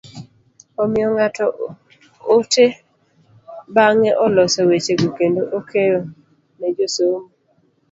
Omiyo ng'ato ote bang'e oloso weche go kendo okeyo ne josomo.